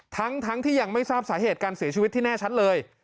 ทั้งที่ยังไม่ทราบสาเหตุการเสียชีวิตที่แน่ชัดเลย